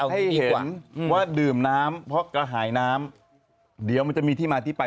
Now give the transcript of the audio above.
ให้เห็นว่าดื่มน้ำเพราะกระหายน้ำเดี๋ยวมันจะมีที่มาที่ไป